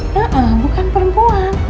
ya bukan perempuan